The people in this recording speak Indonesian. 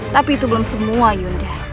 tapi itu belum semua yuda